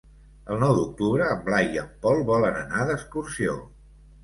El nou d'octubre en Blai i en Pol volen anar d'excursió.